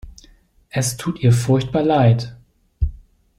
Es tut ihr furchtbar leid.